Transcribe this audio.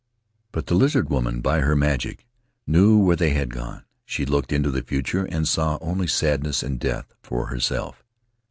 But the Lizard Woman, by her magic, knew where they had gone; she looked into the future and saw only sadness and death for herself.